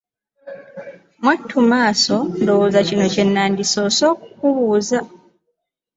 Mwattu Maaso ndowooza kino kye nnandisoose okukubuuza.